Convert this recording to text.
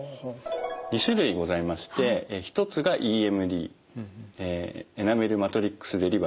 ２種類ございまして一つがＥＭＤエナメルマトリックスデリバティブですね。